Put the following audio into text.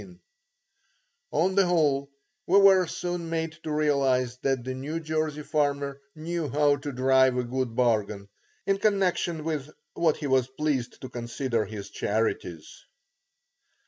On the whole, we were soon made to realize that the New Jersey farmer knew how to drive a good bargain, in connection with what he was pleased to consider his charities.